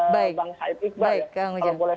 bang saib iqbal kalau boleh